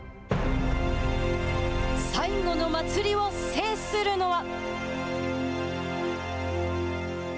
最後の祭りを制するのは？！